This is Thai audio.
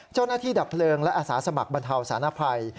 เจ้าหน้าที่ดับเพลิงและอาศาสมัครบรรเทาศาลภัย